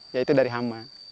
ya itu dari hama